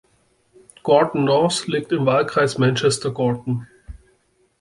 Gorton North liegt im Wahlkreis Manchester Gorton.